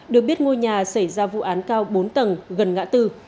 được biết ngôi nhà xảy ra vụ án cao bốn tầng gần ngã tư